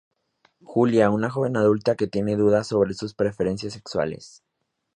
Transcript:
Julia, una joven adulta que tiene dudas sobre sus preferencias sexuales.